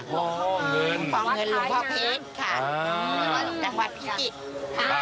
ปลาเงินหลวงพ่อเพชรค่ะหลวงหลวงพ่อพิจิตร